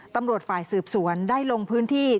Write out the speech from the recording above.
ตำรวจฝ่ายสืบสวนได้ลงพื้นที่